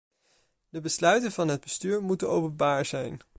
De besluiten van het bestuur moeten openbaar zijn.